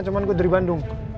cuman gue dari bandung